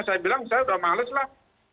saya bilang saya udah males lah